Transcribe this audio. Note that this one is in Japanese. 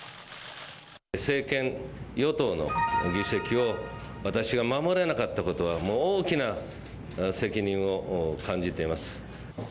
政権与党の議席を私が守れなかったことは、もう大きな責任を感じてます。